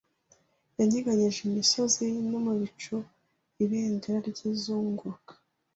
Yanyeganyeje imisozi, no mu bicu Ibendera ryizunguruka